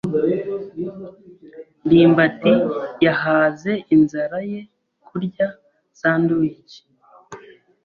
ndimbati yahaze inzara ye kurya sandwiches.